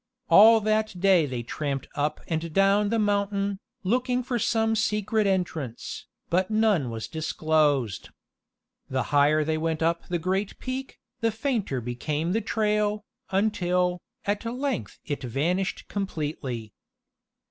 All that day they tramped up and down the mountain, looking for some secret entrance, but none was disclosed. The higher they went up the great peak, the fainter became the trail, until, at length it vanished completely.